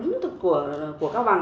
bánh cuốn canh của cao bằng